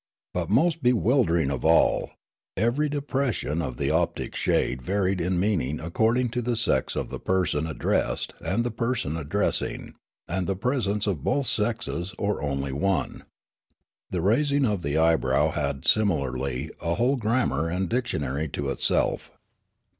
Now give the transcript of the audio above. But, most bewildering of all, every depression of the optic shade varied in meaning according to the sex of the person addressed and the person addressing, and the presence of both sexes, or onl) one. The raising of the eyebrow had, similarly, a whole grammar and dictionary to itself.